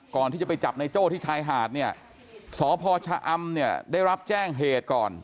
ก่อนที่จะไปจับในโจ้ที่ชายหาดเนี่ยสพชะอำเนี่ยได้รับแจ้งเหตุก่อน